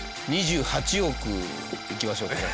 ２８億いきましょうかね。